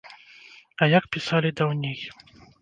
А як пісалі даўней.